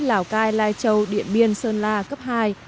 lào cai lai châu điện biên sơn la cấp hai